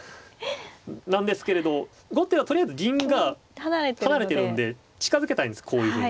なんですけれど後手はとりあえず銀が離れてるんで近づけたいんですこういうふうに。